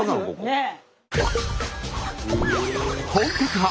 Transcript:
ねえ。